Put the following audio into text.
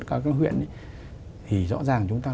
các huyện thì rõ ràng chúng ta